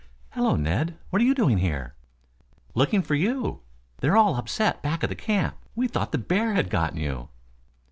"Hello, Ned. What you doing here?' "Looking for you. They're all upset back at the camp. We thought the bear had gotten you."